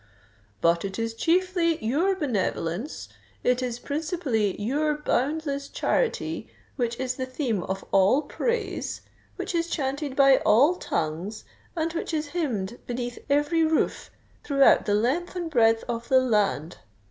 'But it is chiefly your _benevolence—it is principally your boundless charity, which is the theme of all praise, which is chanted by all tongues, and which is hymned beneath every roof throughout the length and breadth of the land.